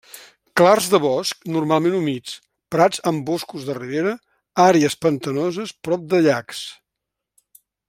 Clars de bosc normalment humits, prats en boscos de ribera, àrees pantanoses prop de llacs.